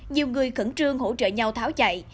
nhiều người khẩn trương hỗ trợ nhau tháo chạy